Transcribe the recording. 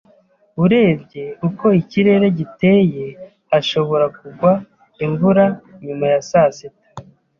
Urebye uko ikirere giteye, hashobora kugwa imvura nyuma ya saa sita.